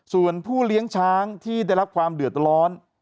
ส่วนผู้เลี้ยงช้างที่ได้รับความเดือดร้อน